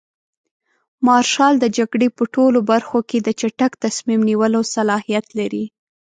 مارشال د جګړې په ټولو برخو کې د چټک تصمیم نیولو صلاحیت لري.